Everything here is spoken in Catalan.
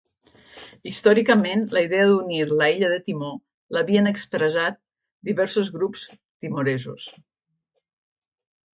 Històricament, la idea d'unir l'illa de Timor l'havien expressat diversos grups timoresos.